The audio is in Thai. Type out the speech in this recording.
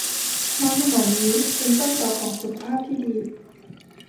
น้ำในบ่อนี้เป็นต้นตอของสุขภาพที่ดี